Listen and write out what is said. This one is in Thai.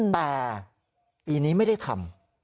แต่ปีนี้ไม่ได้ทำ